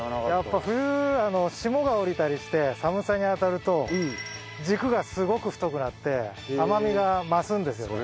やっぱ冬霜が下りたりして寒さにあたると軸がすごく太くなって甘みが増すんです。